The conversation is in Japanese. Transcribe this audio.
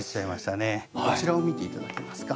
こちらを見て頂けますか？